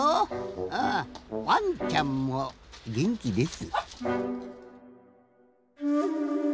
うんワンちゃんもげんきです。